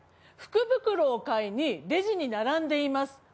福袋を買いにレジに並んでいます。